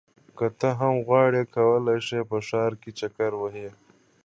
که ته هم غواړې کولی شې په ښار کې چکر ووهې.